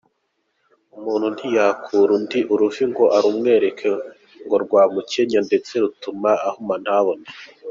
Umuntu ntiyakura undi uruvi ngo arumwereke, ngo rwamukenya ndetse rutuma ahuma ntabone.